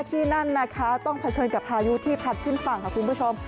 ที่นั่นนะคะต้องเผชิญกับพายุที่พัดขึ้นฝั่งค่ะคุณผู้ชม